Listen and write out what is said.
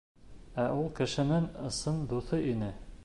Ә ул кешенең ысын дуҫы ине.